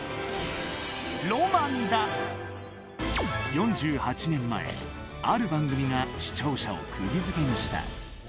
４８年前、ある番組が視聴者をくぎづけにした。